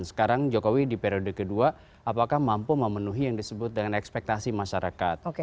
sekarang jokowi di periode kedua apakah mampu memenuhi yang disebut dengan ekspektasi masyarakat